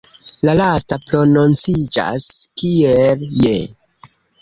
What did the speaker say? La lasta prononciĝas kiel "je".